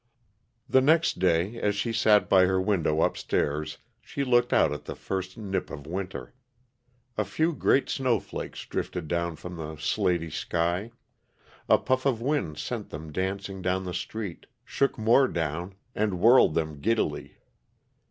The next day, as she sat by her window up stairs, she looked out at the first nip of winter. A few great snowflakes drifted down from the slaty sky; a puff of wind sent them dancing down the street, shook more down, and whirled them giddily.